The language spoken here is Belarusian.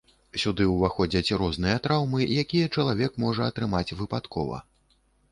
Сюды ўваходзяць розныя траўмы, якія чалавек можа атрымаць выпадкова.